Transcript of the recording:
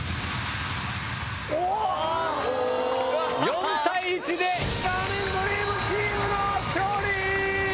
４対１でドリームチームの勝利！